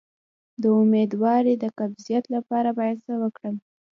د امیدوارۍ د قبضیت لپاره باید څه وکړم؟